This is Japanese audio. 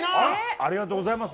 ありがとうございます。